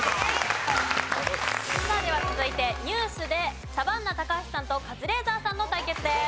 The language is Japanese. さあでは続いてニュースでサバンナ高橋さんとカズレーザーさんの対決です。